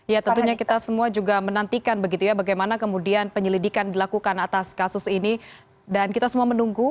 ya tentunya kita semua juga menantikan begitu ya bagaimana kemudian penyelidikan dilakukan atas kasus ini dan kita semua menunggu